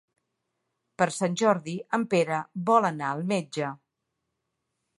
Per Sant Jordi en Pere vol anar al metge.